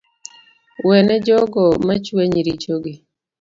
Wene jogo machuanyi richogi